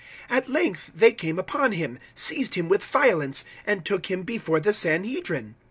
At length they came upon him, seized him with violence, and took him before the Sanhedrin.